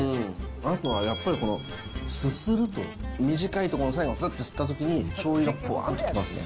あとはやっぱりこの、すすると、短いところ最後、すっとすすったときに、しょうゆがぷわーんと来ますね。